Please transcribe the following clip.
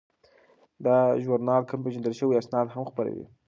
دا ژورنال کم پیژندل شوي اسناد هم خپروي.